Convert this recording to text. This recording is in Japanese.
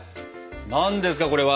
何ですかこれは。